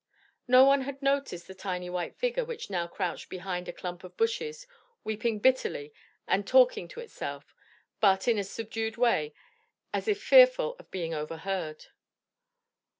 No one had noticed the tiny white figure which now crouched behind a clump of bushes weeping bitterly and talking to itself, but, in a subdued way as if fearful of being overheard.